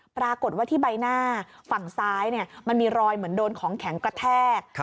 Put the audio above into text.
ปรากฏว่าที่ใบหน้าฝั่งซ้ายมันมีรอยเหมือนโดนของแข็งกระแทก